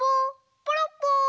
ポロッポー。